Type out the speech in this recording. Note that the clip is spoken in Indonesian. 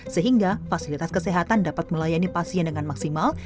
sehingga fasilitas kesehatan dapat melayani pasien dengan maksimal